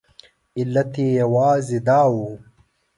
علت یې یوازې دا و.